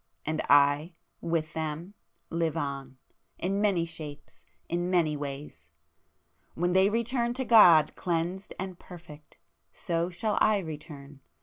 And I, with them live on, in many shapes, in many ways!—when they return to God cleansed and perfect, so shall I return!